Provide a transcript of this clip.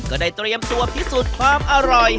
ก็ได้เตรียมตัวพิสูจน์ความอร่อย